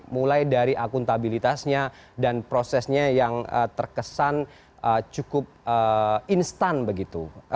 mulai dari akuntabilitasnya dan prosesnya yang terkesan cukup instan begitu